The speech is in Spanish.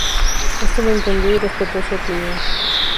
Éste lo entendió y respetó su opinión.